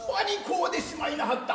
うでしまいなはった。